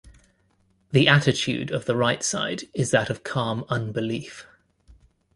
The attitude of the right side is that of calm unbelief.